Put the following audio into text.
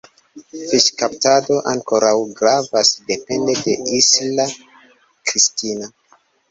Fiŝkaptado ankoraŭ gravas, depende de Isla Cristina.